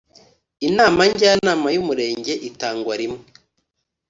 inama njyanama y ‘umurenge itangwa rimwe .